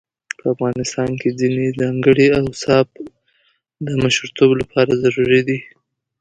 په افغان کلتور کې ځينې ځانګړي اوصاف د مشرتوب لپاره ضروري دي.